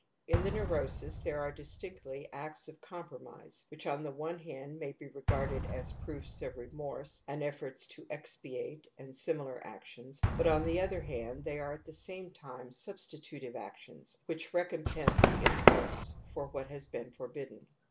In the neurosis there are distinctly acts of compromise which on the one hand may be regarded as proofs of remorse and efforts to expiate and simihar actions ; but on the other hand they are at the same time substitutive actions which recom pense the impulse for what has been forbidden.